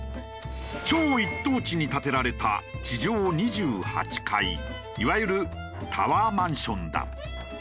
超一等地に建てられた地上２８階いわゆるタワーマンションだ。